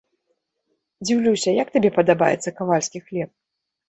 Дзіўлюся, як табе падабаецца кавальскі хлеб?